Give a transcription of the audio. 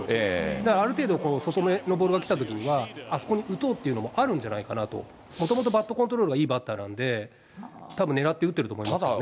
だからある程度、外めのボールが来たときには、あそこに打とうというのもあるんじゃないかなと、もともとバットコントロールがいいバッターなんで、たぶん狙って打ってると思いますね。